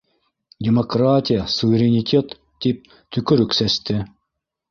Демократия, суверенитет, тип төкөрөк сәсте.